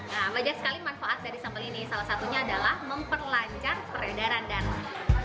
nah banyak sekali manfaat dari sambal ini salah satunya adalah memperlancar peredaran dana